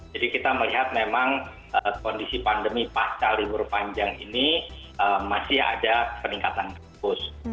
jadi kita melihat memang kondisi pandemi pasca ribur panjang ini masih ada peningkatan kasus